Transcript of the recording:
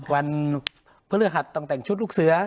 วันพฤหัสต้องแต่งชุดลูกเสือ